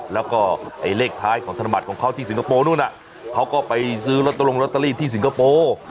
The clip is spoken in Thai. แล้วก็ไอ้เลขท้ายของธนบัตรของเขาที่สิงคโปร์นู่นน่ะเขาก็ไปซื้อลอตเตอรี่ลงลอตเตอรี่ที่สิงคโปร์